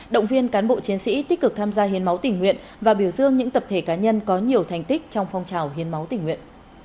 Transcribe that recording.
động viên cán bộ chiến sĩ tích cực tham gia hiến máu tỉnh nguyện và biểu dương những tập thể cá nhân có nhiều thành tích trong phong trào hiến máu tỉnh nguyện